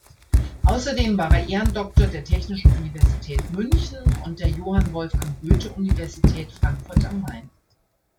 Außerdem war er Ehrendoktor der Technischen Universität München und der Johann-Wolfgang-Goethe-Universität Frankfurt am Main.